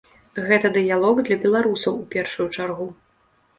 Гэта дыялог для беларусаў у першую чаргу.